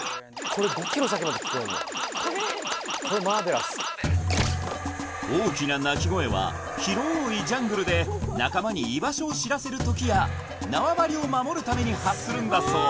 これマーベラス大きな鳴き声は広いジャングルで仲間に居場所を知らせる時やなわばりを守るために発するんだそう